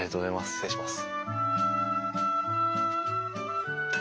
失礼します。